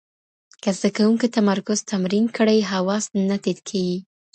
که زده کوونکي تمرکز تمرین کړي، حواس نه تیت کېږي.